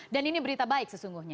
dan ini berita baik sesungguhnya